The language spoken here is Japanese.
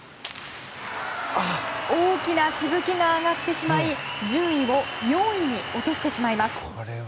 大きなしぶきが上がってしまい順位を４位に落としてしまいます。